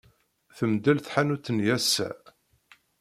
Temdel tḥanut-nni ass-a.